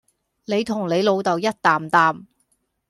你同你老豆一擔擔